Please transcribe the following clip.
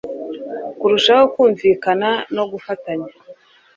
kurushaho kumvikana no gufatanya